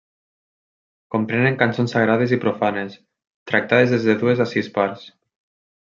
Comprenen cançons sagrades i profanes, tractades des de dues a sis parts.